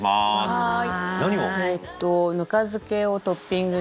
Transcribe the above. はい。